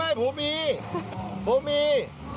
ไม่ผมมีผมมี